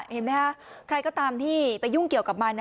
เห็นไหมคะใครก็ตามที่ไปยุ่งเกี่ยวกับมัน